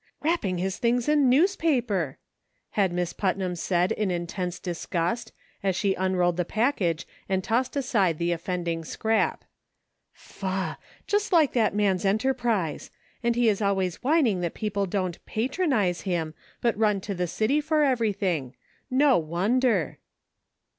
" Wrapping his things in newspaper !" had Miss Putnam said in intense disgust as she unrolled the package and tossed aside the offending scrap. " Faugh ! Just like that man's enterprise ; and he is always whining that people don't 'patronize him,' but run to the city for everything ; no won der."